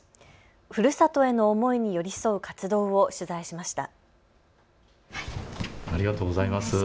ふるさとへの思いに寄り添う活動を取材しました。